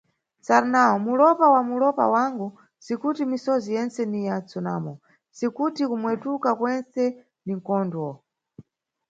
Sarnau, mulopa wa mulopa wangu sikuti misozi yentse ni ya msunamo, si kuti kumwetuka kwentse ni mkondwo.